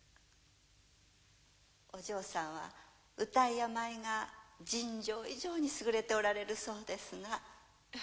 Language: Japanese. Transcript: お嬢さんは謡や舞が尋常以上に優れておられるそうですが。